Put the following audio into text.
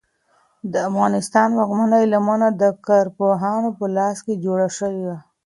د افغان واکمنۍ لمنه د کارپوهانو په لاس جوړه شوه.